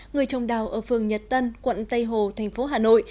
người trồng đào ở phường nhật tân quận tây hồ thành phố hà nội